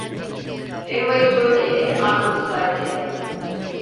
Elmayı soy da ye, armudu say da ye.